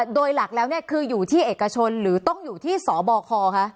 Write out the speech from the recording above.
โดยหลักแล้วคืออยู่ที่เอกชนหรือต้องอยู่ที่สบคคะ